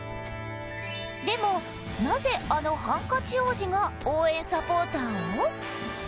でも、なぜあのハンカチ王子が応援サポーターを？